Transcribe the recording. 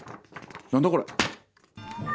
何だこれ？